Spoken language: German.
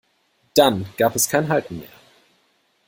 Dann gab es kein Halten mehr.